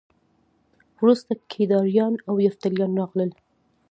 وروسته کیداریان او یفتلیان راغلل